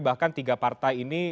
bahkan tiga partai ini